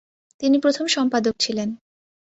তিনি প্রথম সম্পাদক ছিলেন।